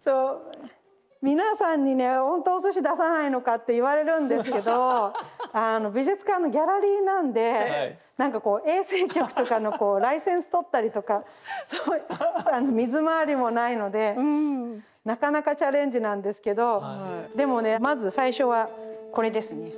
そう皆さんにね「ほんとお寿司出さないのか」って言われるんですけど美術館のギャラリーなんで何かこう衛生局とかのこうライセンス取ったりとか水回りもないのでなかなかチャレンジなんですけどでもねまず最初はこれですね。